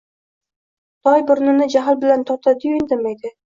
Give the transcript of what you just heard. Toy burnini jahl bilan tortadi-yu, indamaydi.